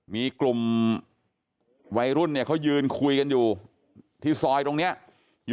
มีกลุ่มวัยรุ่นเนี่ยเขายืนคุยกันอยู่ที่ซอยตรงนี้อยู่